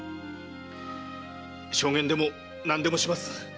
証言でも何でもします。